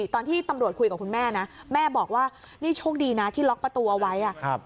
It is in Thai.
ตอนที่ตำรวจคุยกับคุณแม่นะแม่บอกว่านี่โชคดีนะที่ล็อกประตูเอาไว้